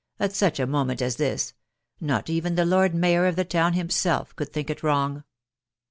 at such a moment as this, not even the Lord Mayor of the town himself could think it wrong."